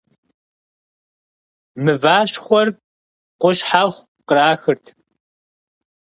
Мыващхъуэр къущхьэхъу кърахырт.